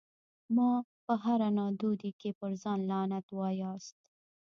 مه په هره نادودي کي پر ځان لعنت واياست